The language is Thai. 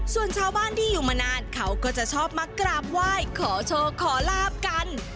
ส่วนชาวบ้านที่อยู่มานานเขาก็จะชอบมากราบไหว้ขอโชคขอลาบกัน